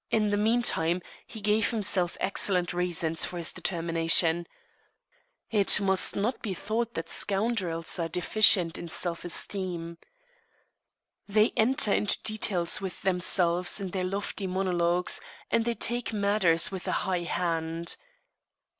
In the meantime he gave himself excellent reasons for his determination. It must not be thought that scoundrels are deficient in self esteem. They enter into details with themselves in their lofty monologues, and they take matters with a high hand.